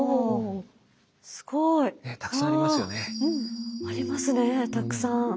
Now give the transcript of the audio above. うん。ありますねたくさん！